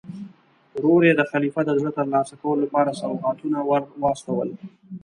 ورور یې د خلیفه د زړه ترلاسه کولو لپاره سوغاتونه ور واستول.